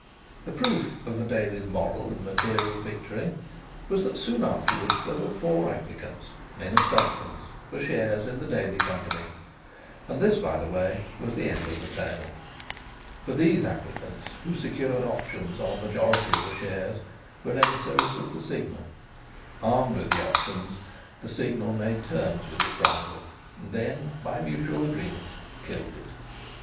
The proof of the Daily's moral and material victory was that soon afterwards there were four applicants, men of substance, for shares in the Daily company. And this, by the way, was the end of the tale. For these applicants, who secured options on a majority of the shares, were emissaries of the Signal. Armed with the options, the Signal made terms with its rival, and then by mutual agreement killed it.